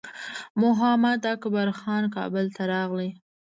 محمداکبر خان کابل ته راغی.